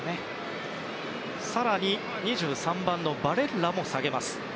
更に、２３番バレッラも下げます。